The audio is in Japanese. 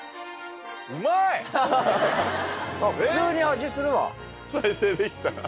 普通に味するわ。